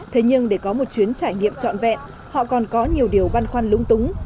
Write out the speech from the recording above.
thế nhưng để có một chuyến trải nghiệm trọn vẹn họ còn có nhiều điều văn khoăn lũng túng